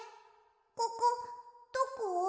ここどこ？